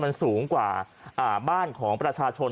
มันสูงกว่าบ้านของประชาชน